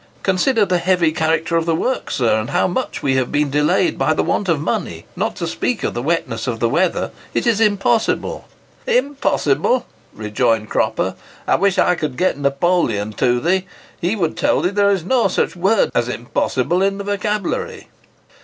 "Consider the heavy character of the works, sir, and how much we have been delayed by the want of money, not to speak of the wetness of the weather: it is impossible." "Impossible!" rejoined Cropper; "I wish I could get Napoleon to thee—he would tell thee there is no such word as 'impossible' in the vocabulary."